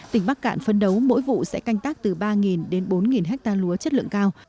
tỉnh bắc cạn phấn đấu mỗi vụ sẽ canh tác từ ba đến bốn hectare lúa chất lượng cao